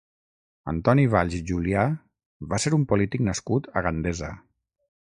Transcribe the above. Antoni Valls Julià va ser un polític nascut a Gandesa.